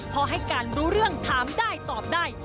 พอให้การรู้เรื่องถามได้ตอบได้